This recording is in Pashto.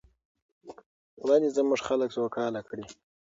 خدای دې زموږ خلک سوکاله کړي.